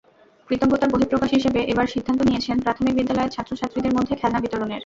কৃতজ্ঞতার বহিঃপ্রকাশ হিসেবে এবার সিদ্ধান্ত নিয়েছেন প্রাথমিক বিদ্যালয়ের ছাত্রছাত্রীদের মধ্যে খেলনা বিতরণের।